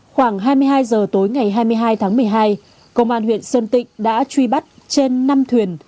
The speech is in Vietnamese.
khoảng hai mươi hai h tối ngày hai mươi hai tháng một mươi hai công an huyện sơn tịnh đã truy bắt trên năm thuyền